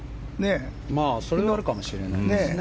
それはあるかもしれないですね。